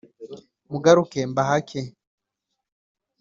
mugaruke mbahake